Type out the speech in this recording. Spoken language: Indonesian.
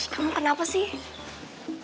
kamu kenapa sih